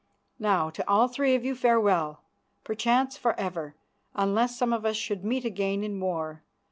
Now, to all three of you farewell, perchance for ever, unless some of us should meet again in war.